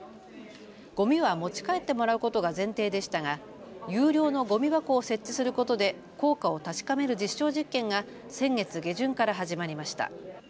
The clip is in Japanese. ごみは持ち帰ってもらうことが前提でしたが有料のごみ箱を設置することで効果を確かめる実証実験が先月下旬から始まりました。